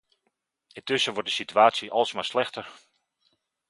Intussen wordt de situatie alsmaar slechter.